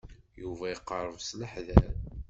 Yuba iqerreb s leḥder.